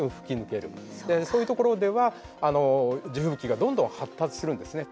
そういう所では地吹雪がどんどん発達するんですね。